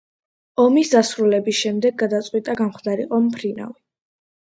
ომის დასრულების შემდეგ გადაწყვიტა გამხდარიყო მფრინავი.